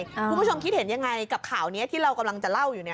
คุณผู้ชมคิดเห็นยังไงกับข่าวนี้ที่เรากำลังจะเล่าอยู่เนี่ย